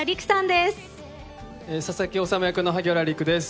佐々木修役の萩原利久です。